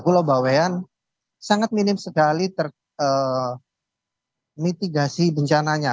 pulau bawean sangat minim sekali mitigasi bencananya